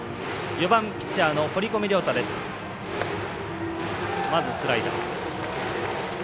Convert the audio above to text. ４番ピッチャーの堀米涼太です。